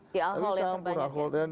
di al hol yang terbanyak kan